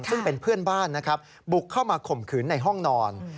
ซึ่งเป็นเพื่อนบ้านนะครับบุกเข้ามาข่มขืนในห้องนอน